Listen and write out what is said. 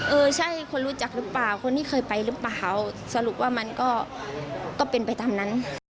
เออใช่คนรู้จักหรือเปล่าคนที่เคยไปหรือเปล่าสรุปว่ามันก็เป็นไปตามนั้น